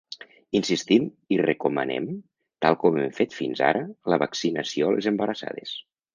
Insistim i recomanem, tal com hem fet fins ara, la vaccinació a les embarassades.